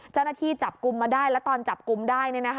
เจ้าหน้าที่จับกลุ่มมาได้แล้วตอนจับกลุ่มได้